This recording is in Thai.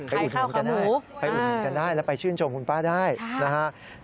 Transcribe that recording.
อุดหนุนกันได้ไปอุดหนุนกันได้แล้วไปชื่นชมคุณป้าได้นะครับ